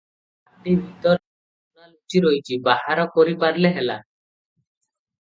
ମାଟିଭିତରେ ସୁନା ଲୁଚି ରହିଚି- ବାହାର କରି ପାରିଲେ ହେଲା ।"